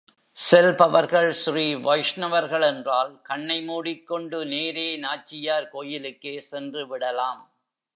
செல்பவர்கள் ஸ்ரீ வைஷ்ணவர்கள் என்றால் கண்ணை மூடிக் கொண்டு நேரே நாச்சியார் கோயிலுக்கே சென்று விடலாம்.